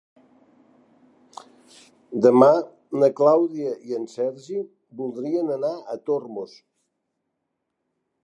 Demà na Clàudia i en Sergi voldrien anar a Tormos.